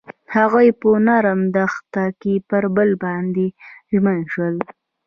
هغوی په نرم دښته کې پر بل باندې ژمن شول.